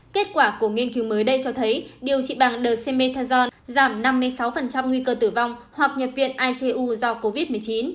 kết quả của nghiên cứu mới đây cho thấy điều trị bằng the methazon giảm năm mươi sáu nguy cơ tử vong hoặc nhập viện icu do covid một mươi chín